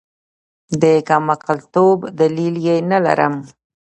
د کمعقلتوب دلیل یې نلرم.